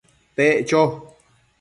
Pec cho